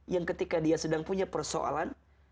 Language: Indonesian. yang ketika dia sedang punya persoalan